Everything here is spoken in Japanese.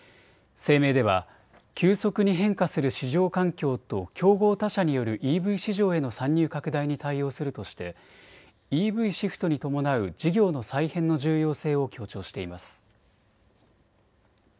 声明では急速に変化する市場環境と競合他社によるＥＶ市場への参入拡大に対応するとしてＥＶシフトに伴う事業の再編の重要性を強調しています。